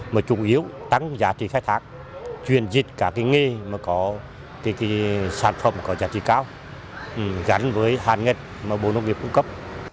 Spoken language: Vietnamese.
mà chủ yếu tăng giá trị khai thác chuyển dịch cả nghề mà có sản phẩm có giá trị cao gắn với hàn nghệch mà bộ nông nghiệp cung cấp